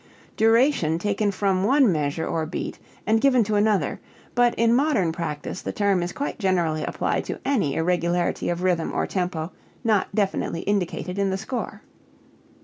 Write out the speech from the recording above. _, duration taken from one measure or beat and given to another, but in modern practice the term is quite generally applied to any irregularity of rhythm or tempo not definitely indicated in the score.